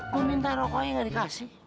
kok minta rokoknya gak dikasih